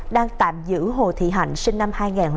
đang tạm giữ hồ thị hạnh sinh năm hai nghìn bảy